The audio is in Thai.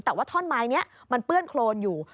แต่ว่าท่อนไม้นี้มันเปื้อนโครนอยู่